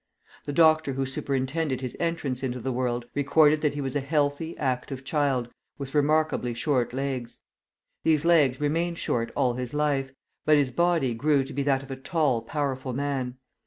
The doctor who superintended his entrance into the world recorded that he was a healthy, active child, with remarkably short legs. These legs remained short all his life, but his body grew to be that of a tall, powerful man.